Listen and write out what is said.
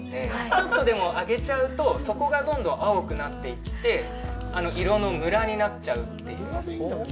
ちょっとでも上げちゃうと、そこがどんどん青くなっていって色のむらになっちゃうっていう。